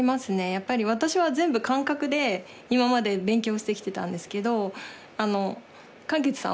やっぱり私は全部感覚で今まで勉強してきてたんですけど。